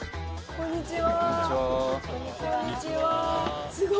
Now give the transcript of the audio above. こんにちは。